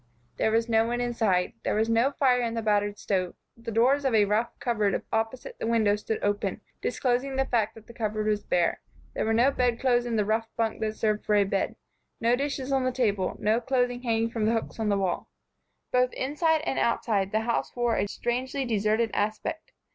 There was no one inside. There was no fire in the battered stove. The doors of a rough cupboard opposite the window stood open, disclosing the fact that the cupboard was bare. There were no bedclothes in the rough bunk that served for a bed; no dishes on the table; no clothing hanging from the hooks on the wall. Both inside and outside the house wore a strangely deserted aspect.